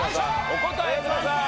お答えください。